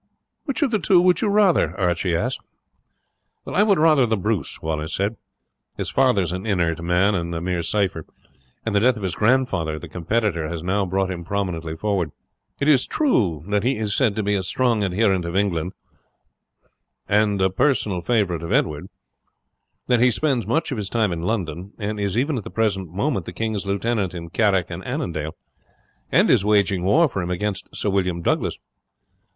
"Which of the two would you rather?" Archie asked. "I would rather the Bruce," Wallace said. "His father is an inert man and a mere cypher, and the death of his grandfather, the competitor, has now brought him prominently forward. It is true that he is said to be a strong adherent of England and a personal favourite of Edward; that he spends much of his time in London; and is even at the present moment the king's lieutenant in Carrick and Annandale, and is waging war for him against Sir William Douglas.